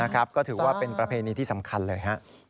ก็ถือว่าเป็นประเพณีที่สำคัญเลย